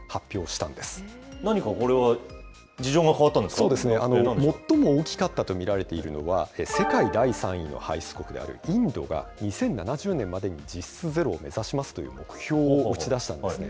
そうですね、最も大きかったと見られているのが、世界第３位の排出国であるインドが、２０７０年までに実質ゼロを目指しますという目標を打ち出したんですね。